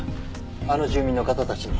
あの住民の方たちに。